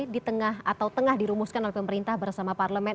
di tengah atau tengah dirumuskan oleh pemerintah bersama parlemen